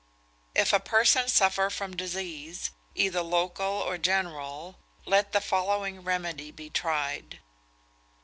"If a person suffer from disease, either local or general, let the following remedy be tried.